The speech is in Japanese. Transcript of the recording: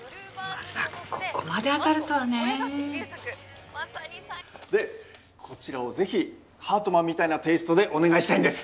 まさかここまで当たるとはねでこちらを是非ＨＥＡＲＴＭＡＮみたいなテーストでお願いしたいんです